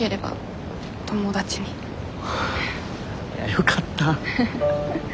よかった。